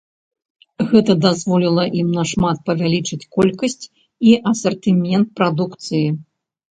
Гэта дазволіла ім нашмат павялічыць колькасць і асартымент прадукцыі.